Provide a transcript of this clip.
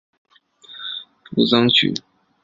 步曾槭